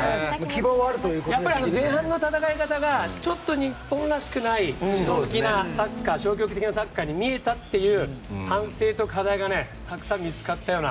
前半の戦い方がちょっと日本らしくない消極的なサッカーに見えたという反省と課題がたくさん見つかったような。